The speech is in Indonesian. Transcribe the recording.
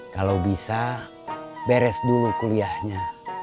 kalau bisa beres dulu kuliahnya